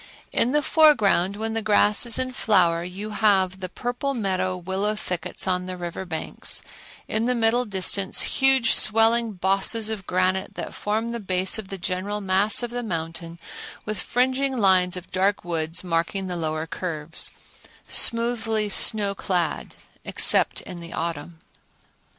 In the foreground, when the grass is in flower, you have the purple meadow willow thickets on the river banks; in the middle distance huge swelling bosses of granite that form the base of the general mass of the mountain, with fringing lines of dark woods marking the lower curves, smoothly snow clad except in the autumn.